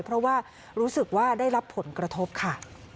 เพราะว่ารู้สึกว่าได้รับผลกระทบค่ะ